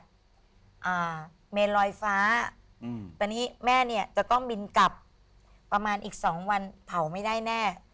ทำยังไงที่จะจัดเมลลอยฟ้าแม่เนี่ยต้องบินกลับประมาณอีก๒วันเผาไม่ได้แน่